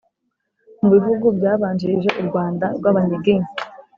mu bihugu byabanjirije u rwanda rw'abanyiginya